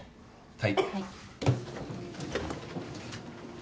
・はい。